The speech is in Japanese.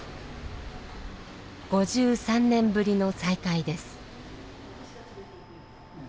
５３年ぶりの再会です。